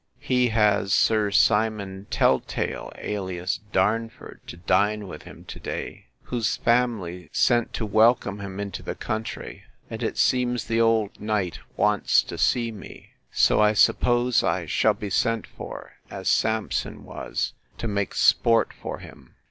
He has Sir Simon Tell tale, alias Darnford, to dine with him to day, whose family sent to welcome him into the country; and it seems the old knight wants to see me; so I suppose I shall be sent for, as Samson was, to make sport for him.